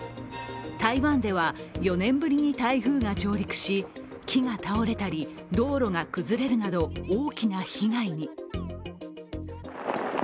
台湾では４年ぶりに台風が上陸し木が倒れたり、道路が崩れるなど大きな被害に。